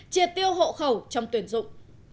chiệt tiêu hộ khẩu trong tuyển dụng